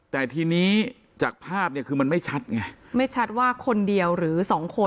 แต่ทีนี้จากภาพเนี่ยคือมันไม่ชัดไงไม่ชัดว่าคนเดียวหรือสองคน